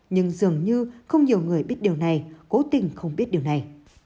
nhưng dường như không nhiều người biết điều này cố tình không biết điều này